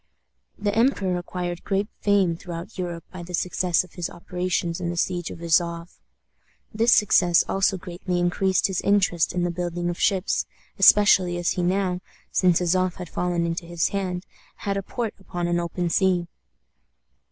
The emperor acquired great fame throughout Europe by the success of his operations in the siege of Azof. This success also greatly increased his interest in the building of ships, especially as he now, since Azof had fallen into his hands, had a port upon an open sea.